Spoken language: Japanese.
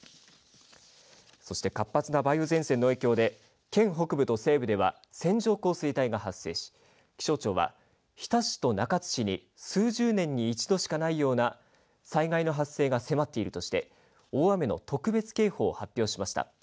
そして活発な梅雨前線の影響で県北部と西部では線状降水帯が発生し気象庁は日田市と中津市に数十年に一度しかないような災害の発生が迫っているとして大雨の特別警報を発表しました。